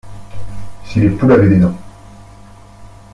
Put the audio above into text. Si les poules avaient des dents.